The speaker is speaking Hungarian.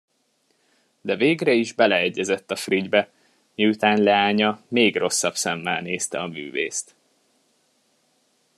De végre is beleegyezett a frigybe, miután leánya még rosszabb szemmel nézte a művészt.